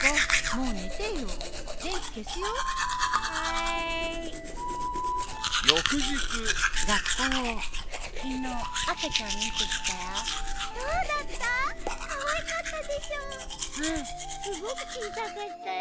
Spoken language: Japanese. うんすごく小さかったよ。